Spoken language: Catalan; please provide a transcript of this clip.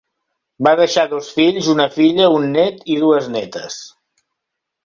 Va deixar dos fills, una filla, un net i dues netes.